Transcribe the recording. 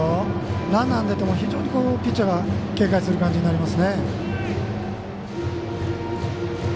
ランナーが出てもピッチャーが警戒する感じになります。